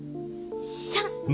シャン。